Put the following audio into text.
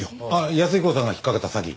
安彦さんが引っかかった詐欺？